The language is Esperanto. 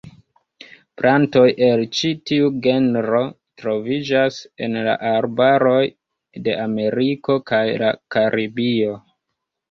Plantoj el ĉi tiu genro troviĝas en la arbaroj de Ameriko kaj la Karibio.